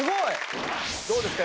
どうですか？